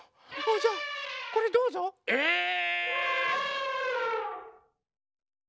じゃあこれどうぞ！えっ！